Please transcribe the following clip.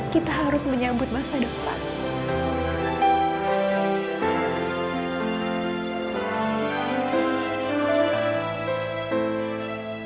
kita harus menyambut masa depan